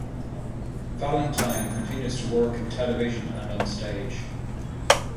Valentine continues to work in television and on stage.